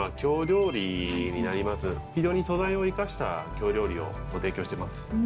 非常に素材を生かした京料理をご提供してます。